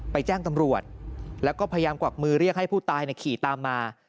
แจ้งตำรวจแล้วก็พยายามกวักมือเรียกให้ผู้ตายขี่ตามมา